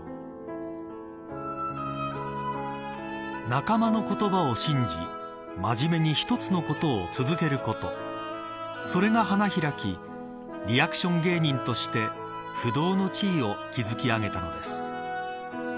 仲間の言葉を信じ真面目に一つのことを続けることそれが花開きリアクション芸人として不動の地位を築き上げたのです。